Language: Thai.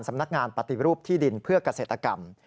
สำนักงานปฏิรูปที่ดินเพื่อเกษตรกรรม